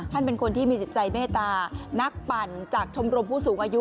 เป็นคนที่มีจิตใจเมตตานักปั่นจากชมรมผู้สูงอายุ